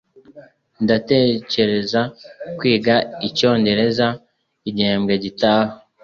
Ndatekereza kwiga ikinyakoreya igihembwe gitaha.